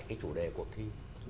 cái chủ đề cuộc thi